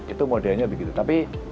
itu modelnya begitu tapi